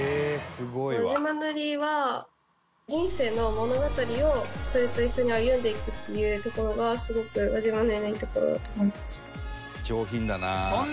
輪島塗は人生の物語をそれと一緒に歩んでいくっていうところがすごく輪島塗のいいところだと思います。